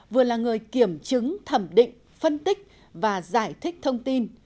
vừa là người kiểm chứng thẩm định phân tích và giải thích thông tin